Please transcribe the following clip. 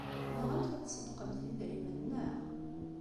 Tebɣamt ad tṣeddqemt idrimen, naɣ?